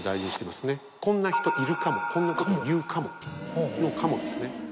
こんな人いるかもこんなこと言うかもの「かも」ですね。